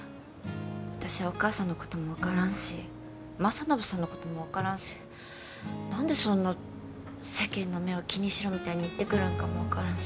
私はお母さんのことも分からんし政信さんのことも分からんし何でそんな世間の目を気にしろみたいに言ってくるんかも分からんし